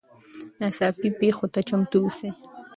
ناڅاپي پیښو ته چمتو اوسئ.